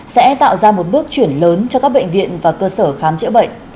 sẽ tạo ra một bước chuyển lớn cho các bệnh viện và cơ sở khám chữa bệnh